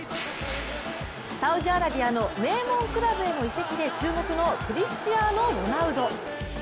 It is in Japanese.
サウジアラビアの名門クラブへの移籍で注目のクリスティアーノ・ロナウド。